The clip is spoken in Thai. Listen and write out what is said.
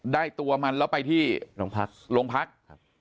ได้ตัวมันที่โรงพักศาสตร์